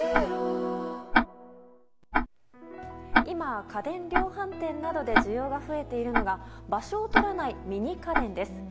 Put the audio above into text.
今、家電量販店などで需要が増えているのが場所を取らないミニ家電です。